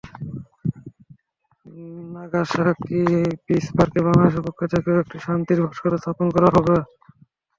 Nagasaki peace পার্কে বাংলাদেশের পক্ষ থেকেও একটি শান্তির ভাস্কর্য স্থাপন করা হবে।